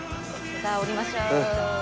さあ降りましょう。